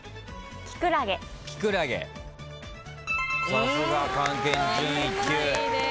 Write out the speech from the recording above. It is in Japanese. さすが漢検準一級。